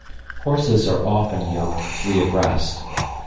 Horses are often yoked three abreast.